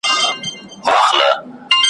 یو سړی په دې یخنۍ کي مسافر سو ,